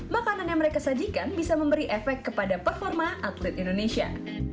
makanan yang mereka sajikan bisa memberi efek kepada performa atlet indonesia